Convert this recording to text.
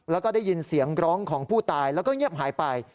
แล้วก็ได้ยินเสียงร้องของผู้ตายแล้วก็เงียบหายไป